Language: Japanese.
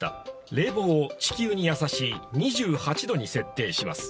冷房を地球に優しい２８度に設定します。